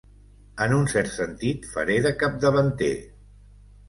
En un cert sentit, faré de capdavanter.